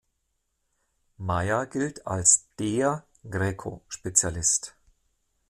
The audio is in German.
Mayer galt als "„der“" Greco-Spezialist.